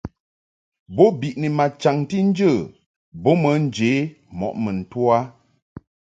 Bo biʼni ma chaŋti nje bo bə njə mɔʼ mun to a.